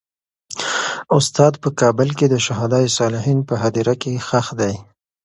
استاد په کابل کې د شهدا صالحین په هدیره کې خښ دی.